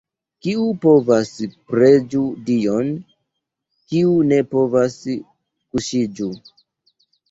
Kiu povas, preĝu Dion, kiu ne povas, kuŝiĝu!